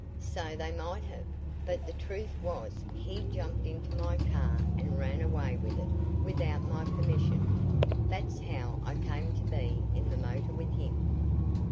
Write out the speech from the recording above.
"So they might have; but the truth was he jumped into my car and ran away with it without my permission. That's how I came to be in the motor with him."